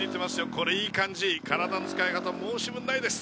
これいい感じ体の使い方も申し分ないです